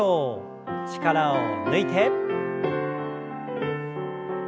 力を抜いて。